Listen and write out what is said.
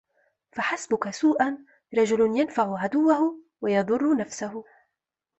فَحَسْبُك سُوءًا رَجُلٌ يَنْفَعُ عَدُوَّهُ وَيَضُرُّ نَفْسَهُ